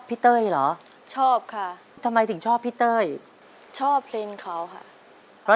พอเชิญน้องเฟย์มาต่อชีวิตเป็นคนต่อไปครับ